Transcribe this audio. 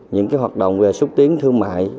những cái hoạt động về xúc tiến thương mại